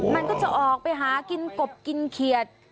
มันก็จะออกไปหากินกบกินเขียด